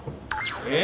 えっ？